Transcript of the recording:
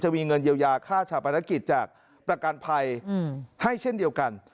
มีเงินเยียวยาค่าชาปนกิจจากประกันภัยให้เช่นเดียวกัน